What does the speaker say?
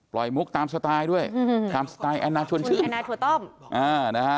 ปล่อยมุกตามสไตล์ด้วยตามสไตล์อันนาชวนชื่น